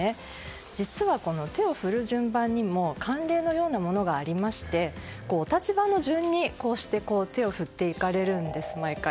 実は、手を振る順番にも慣例のようなものがありましてお立場の順に手を振っていかれるんです、毎回。